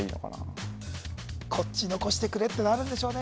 こっち残してくれってのあるんでしょうね